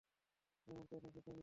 Honeymoon কি এখনও শেষ হয়নি?